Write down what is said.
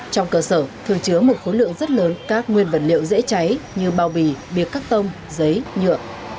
trong cơ sở thường chứa một khối lượng rất lớn các nguyên vật liệu dễ cháy như bao bì biệt cắt tông giấy nhựa